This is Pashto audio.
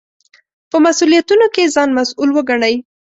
په مسوولیتونو کې ځان مسوول وګڼئ.